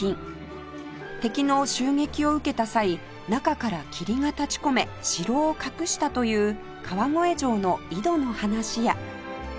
敵の襲撃を受けた際中から霧が立ちこめ城を隠したという川越城の井戸の話や